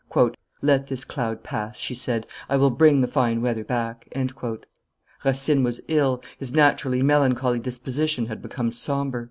"Let this cloud pass," she said; "I will bring the fine weather back." Racine was ill; his naturally melancholly disposition had become sombre.